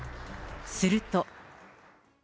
すると。